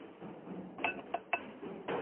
胎生紫堇为罂粟科紫堇属下的一个种。